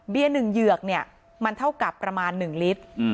เบียนึงเหยือกมันเท่ากับประมาณ๑ลิตร